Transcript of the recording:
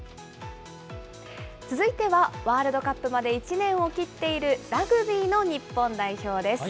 続いては、ワールドカップまで１年を切っている、ラグビーの日本代表です。